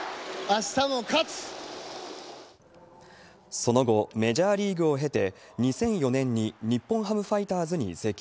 その後、メジャーリーグを経て、２００４年に日本ハムファイターズに移籍。